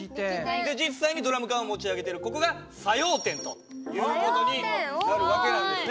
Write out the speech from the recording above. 実際にドラム缶を持ち上げてるここが作用点という事になる訳なんですね。